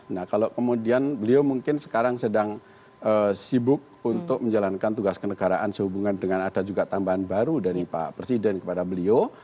nah kalau kemudian beliau mungkin sekarang sedang sibuk untuk menjalankan tugas kenegaraan sehubungan dengan ada juga tambahan baru dari pak presiden kepada beliau